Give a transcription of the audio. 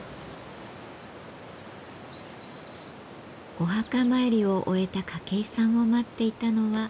お墓参りを終えた筧さんを待っていたのは。